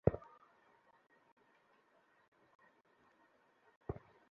বিধি মোতাবেক রাষ্ট্রের বেসামরিক কর্মকর্তা-কর্মচারীদের ভালোমন্দ দেখভাল করাও তাঁর দায়িত্বের মধ্যে পড়ে।